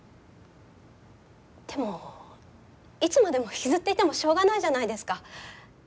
でもいつまでも引きずっていてもしょうがないじゃないですか。